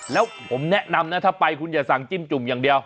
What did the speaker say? แล้วผมแนะนำนะถ้าไปคุณอย่าสั่งจิ้มจุ่มอย่างเดียว